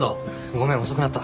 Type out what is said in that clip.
ごめん遅くなった。